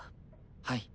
はい。